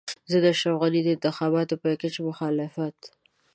زه د اشرف غني د انتخاباتي پېکج مخالفت.